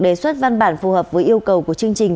đề xuất văn bản phù hợp với yêu cầu của chương trình